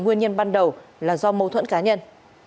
nguyên nhân ban đầu là do mâu thuẫn cá nhân